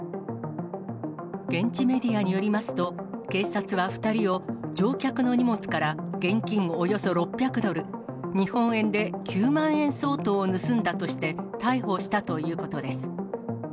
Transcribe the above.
現地メディアによりますと、警察は２人を、乗客の荷物から現金およそ６００ドル、日本円で９万円相当を盗んだとして、逮捕したということです。